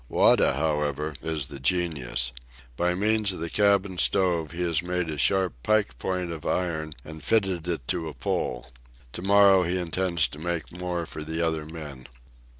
Wada, however, is the genius. By means of the cabin stove he has made a sharp pike point of iron and fitted it to a pole. To morrow be intends to make more for the other men.